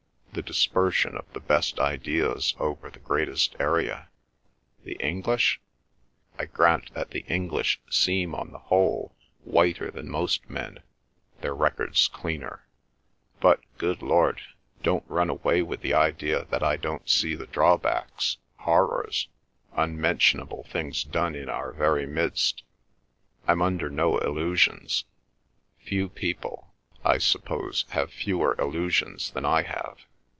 The dispersion of the best ideas over the greatest area." "The English?" "I grant that the English seem, on the whole, whiter than most men, their records cleaner. But, good Lord, don't run away with the idea that I don't see the drawbacks—horrors—unmentionable things done in our very midst! I'm under no illusions. Few people, I suppose, have fewer illusions than I have.